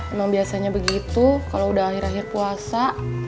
emang biasanya begitu kalau udah akhir akhir puasa